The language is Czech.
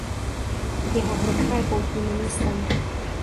Jeho hrobka je poutním místem.